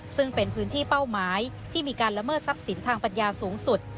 ซึ่งเป็นพื้นที่เป้าหมายที่มีการละเมิดทรัพย์สินทางปัญญาสูงสุด